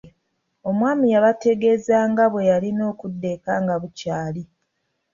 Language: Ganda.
Omwami yabategeeza nga bwe yalina okudda ekka nga bukyali.